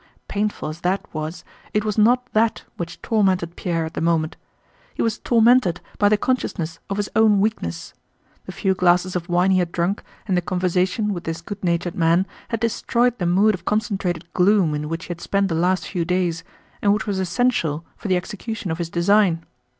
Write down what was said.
Painful as that was it was not that which tormented Pierre at the moment. He was tormented by the consciousness of his own weakness. The few glasses of wine he had drunk and the conversation with this good natured man had destroyed the mood of concentrated gloom in which he had spent the last few days and which was essential for the execution of his design.